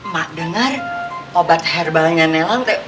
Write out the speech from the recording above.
mak dengar obat herbalnya nelan